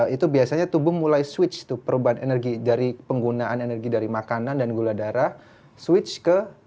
itu biasanya tubuh mulai switch tuh perubahan energi dari penggunaan energi dari makanan dan gula darah switch ke